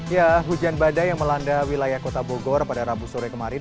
ya hujan badai yang melanda wilayah kota bogor pada rabu sore kemarin